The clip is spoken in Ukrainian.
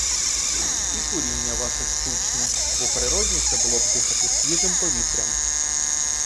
І куріння ваше штучне, бо природніше було б дихати свіжим повітрям.